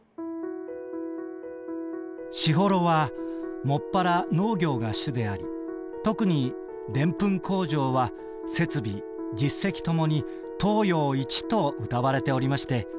「士幌はもっぱら農業が主であり特にでんぷん工場は設備実績ともに東洋一と謳われておりまして工事費だけで一億円を超え